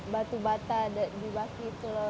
batu bata di baki itu loh